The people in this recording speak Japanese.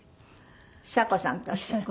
ヒサ子さんとおっしゃる？